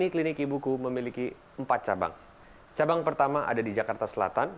klinik ibuku telah memiliki empat cabang di jakarta selatan